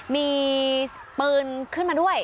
มีปืนขึ้นมาด้วย